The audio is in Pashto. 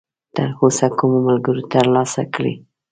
تراوسه کومو ملګرو ترلاسه کړی!؟